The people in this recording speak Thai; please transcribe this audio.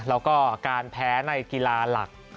แล้วก็การแพ้ในกีฬาหลัก